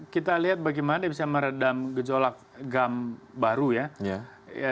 kita lihat bagaimana dia bisa meredam gejolak gam baru ya